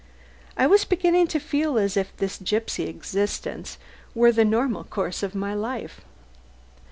I was beginning to feel as if this gipsy existence were the normal course of my life.